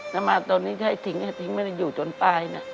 ถ้ามาตอนนี้ที่ให้ทิ้งให้ทิ้งไม่ได้อยู่จนไปนะ